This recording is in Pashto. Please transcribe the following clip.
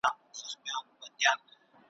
له هیڅ وره ورته رانغلل جوابونه `